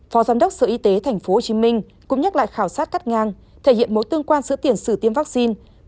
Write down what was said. phó giám đốc sở y tế tp hcm cũng nhắc lại khảo sát cắt ngang thể hiện mối tương quan giữa tiền sử tiêm vaccine